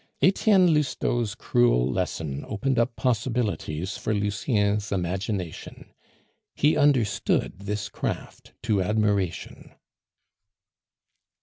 Etienne Lousteau's cruel lesson opened up possibilities for Lucien's imagination. He understood this craft to admiration.